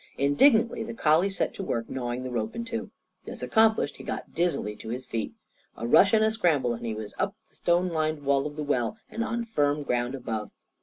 Indignantly the collie set to work gnawing the rope in two. This accomplished, he got dizzily to his feet. A rush and a scramble, and he was up the stone lined wall of the well and on firm ground above.